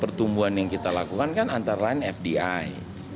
pertumbuhan yang kita lakukan kan antara lain fdi